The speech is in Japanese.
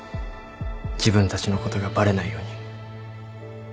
自分たちのことがバレないように。